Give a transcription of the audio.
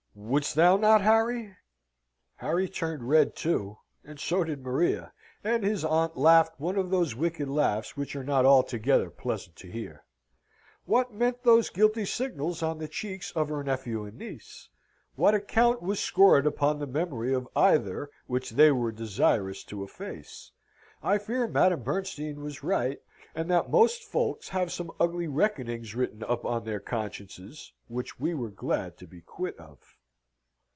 Wouldst thou not, Harry?" Harry turned red, too, and so did Maria, and his aunt laughed one of those wicked laughs which are not altogether pleasant to hear. What meant those guilty signals on the cheeks of her nephew and niece? What account was scored upon the memory of either, which they were desirous to efface? I fear Madame Bernstein was right, and that most folks have some ugly reckonings written up on their consciences, which we were glad to be quit of.